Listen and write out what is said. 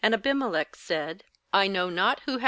Abimelech said: 'I know not 23 23.